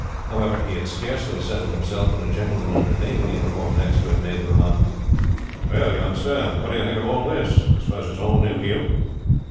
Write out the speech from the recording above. However, he had scarcely settled himself when a gentleman in a naval uniform, next to him, made the remark: "Well, youngster, what do you think of all this? I suppose it is all new to you?"